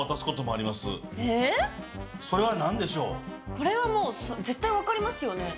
これはもう絶対分かりますよね。